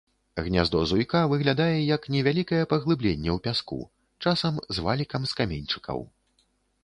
Гняздо зуйка выглядае як невялікае паглыбленне ў пяску, часам з валікам з каменьчыкаў.